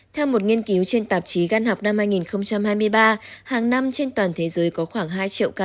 theo một nghiên cứu trên tạp chí gan học năm hai nghìn hai mươi ba hàng năm trên toàn thế giới có khoảng hai triệu ca